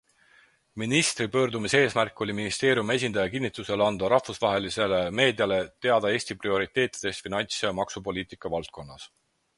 Ministri pöördumise eesmärk oli ministeeriumi esindaja kinntusel anda rahvusvahelisele meediale teada Eesti prioriteetidest finants- ja maksupoliitika valdkonnas.